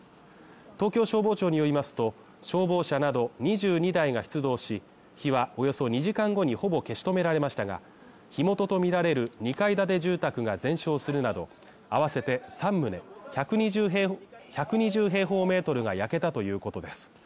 東京消防庁によりますと、消防車など２２台が出動し、火はおよそ２時間後にほぼ消し止められましたが、火元とみられる２階建て住宅が全焼するなど、合わせて３棟１２０平方メートルが焼けたということです。